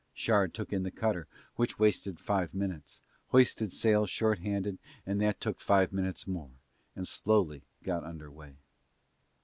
Shard took in the cutter which wasted five minutes, hoisted sail short handed and that took five minutes more, and slowly got under way.